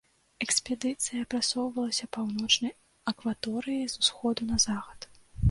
Экспедыцыя прасоўвалася паўночнай акваторыяй з усходу на захад.